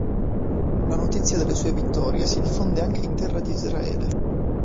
La notizia delle sue vittorie si diffonde anche in Terra di Israele.